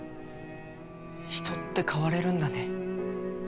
人って変われるんだね。